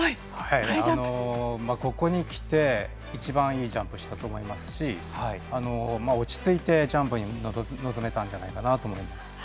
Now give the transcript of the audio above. ここにきて、一番いいジャンプをしたと思いますし落ち着いてジャンプに臨めたんじゃないかなと思います。